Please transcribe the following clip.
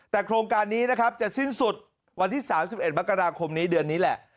แต่โครงการนี้นะครับจะสิ้นสุดวันที่๓๑มกราคมนี้เดือนนี้แหละ